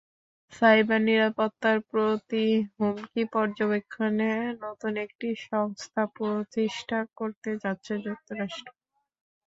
Cyber নিরাপত্তার প্রতি হুমকি পর্যবেক্ষণে নতুন একটি সংস্থা প্রতিষ্ঠা করতে যাচ্ছে যুক্তরাষ্ট্র।